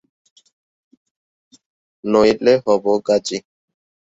নইলে হবো গাজী।।